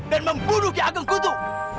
dan membunuh ki ageng kutu